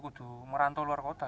harus merantau luar kota ya